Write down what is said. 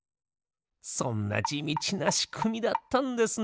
そんなじみちなしくみだったんですね。